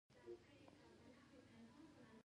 افغانستان د وګړي له پلوه یو ډېر متنوع او رنګین هېواد دی.